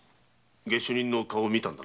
下手人の顔を見たのか？